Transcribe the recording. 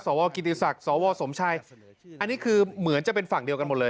กิติศักดิ์สวสมชัยอันนี้คือเหมือนจะเป็นฝั่งเดียวกันหมดเลย